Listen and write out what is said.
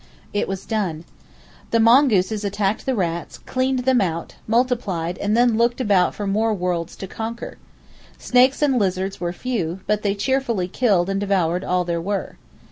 It was done. The mongooses attacked the rats, cleaned them out, multiplied, and then looked about for more worlds to conquer. Snakes and lizards were few; but they cheerfully killed and devoured all there were.